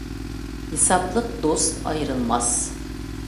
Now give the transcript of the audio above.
ھېسابلىق دوست ئايرىلماس.